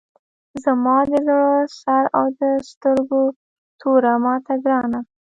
زما د زړه سر او د سترګو توره ماته ګرانه!